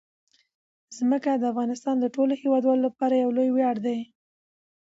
ځمکه د افغانستان د ټولو هیوادوالو لپاره یو لوی ویاړ دی.